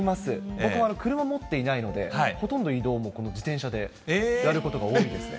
僕は車持っていないので、ほとんど移動は自転車でやることが多いんですね。